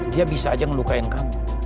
dia bisa aja ngelukain kamu